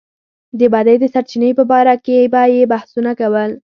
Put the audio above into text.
د بدۍ د سرچينې په باره کې به يې بحثونه کول.